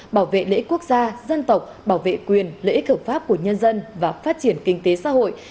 bảo vệ lễ quốc gia dân tộc bảo vệ quyền lễ cực pháp của nhân dân và phát triển kinh tế xã hội